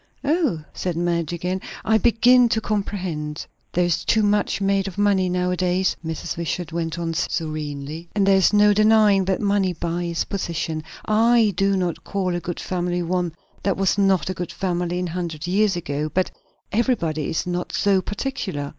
"Oh !" said Madge again. "I begin to comprehend." "There is too much made of money now a days," Mrs. Wishart went on serenely; "and there is no denying that money buys position. I do not call a good family one that was not a good family a hundred years ago; but everybody is not so particular.